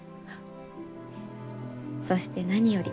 そして何より。